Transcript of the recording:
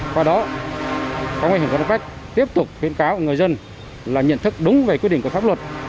qua đó công an huyện cron park tiếp tục khuyên cáo người dân là nhận thức đúng về quy định các pháp luật